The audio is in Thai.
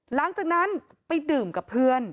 หลังจากนั้นไปดื่มกับเพื่อน